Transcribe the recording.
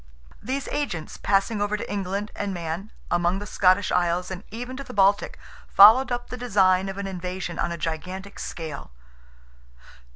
These agents passing over to England and Man, among the Scottish isles, and even to the Baltic, followed up the design of an invasion on a gigantic scale.